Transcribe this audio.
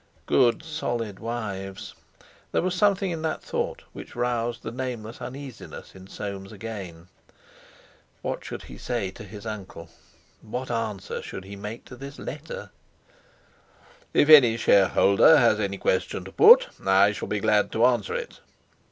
Good, solid wives! There was something in that thought which roused the nameless uneasiness in Soames again. What should he say to his uncle? What answer should he make to this letter? .... "If any shareholder has any question to put, I shall be glad to answer it."